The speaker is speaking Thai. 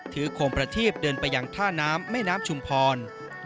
โคมประทีบเดินไปยังท่าน้ำแม่น้ำชุมพร